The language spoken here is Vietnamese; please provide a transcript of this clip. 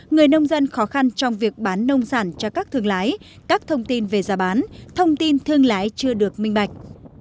người nông dân khó khăn trong việc bán nông sản cho các thương lái các thông tin về giá bán thông tin thương lái chưa được minh bạch